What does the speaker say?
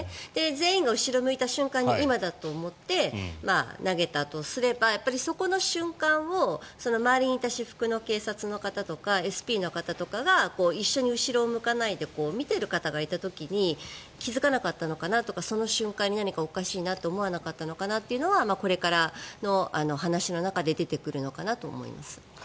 全員が後ろを向いた瞬間に今だと思って投げたとすれば、そこの瞬間を周りにいた私服の警察の方とかＳＰの方とかが一緒に後ろを向かないで見ている方がいる時に気付かなかったのかなとかその瞬間に何かおかしいなと思わなかったのかなというのはこれからの話の中で出てくるのかなと思います。